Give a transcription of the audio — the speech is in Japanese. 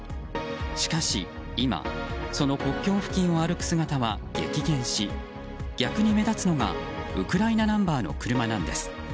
しかし今その国境付近を歩く姿は激減し逆に目立つのがウクライナナンバーの車なんです。